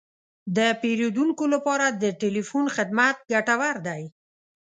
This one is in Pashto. د پیرودونکو لپاره د تلیفون خدمت ګټور دی.